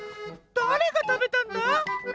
だれがたべたんだ？